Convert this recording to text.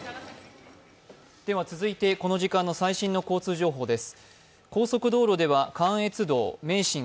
続いてこの時間の最新の交通情報です。